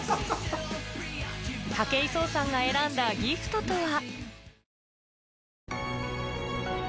武井壮さんが選んだギフトとは？